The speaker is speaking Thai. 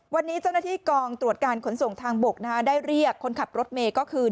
วันนี้เจ้าหน้าที่กองตรวจการขนส่งทางบกได้เรียกคนขับรถเมย์ก็คือ